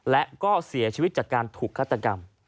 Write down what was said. และก็เสียชีวิตจากการถูกฆาตกรรม